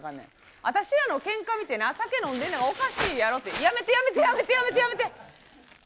あたしらのけんか見てな、酒飲んでのはおかしいやろって、やめて、やめて、やめて、やめて。